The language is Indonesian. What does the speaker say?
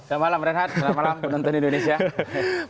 selamat malam renhat